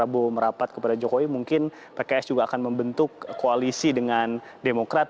mungkin pks juga akan berrapat kepada jokowi mungkin pks juga akan membentuk koalisi dengan demokrat